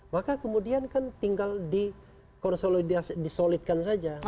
maka kemudian kan tinggal di solidkan saja